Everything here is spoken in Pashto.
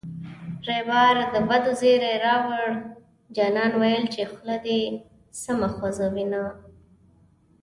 ریبار د بدو زېری راووړـــ جانان ویل چې خوله دې سمه خوزوینه